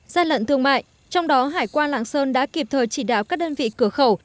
gian lận thương mại trong đó hải quan lạng sơn đã kịp thời chỉ đạo các đơn vị cửa khẩu